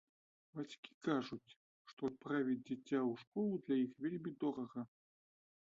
Бацькі кажуць, што адправіць дзіця ў школу для іх вельмі дорага.